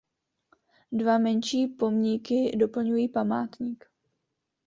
Dva menší pomníky doplňují památník.